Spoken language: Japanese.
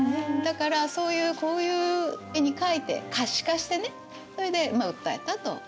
だからそういうこういう絵に描いて可視化してねそれで訴えたと。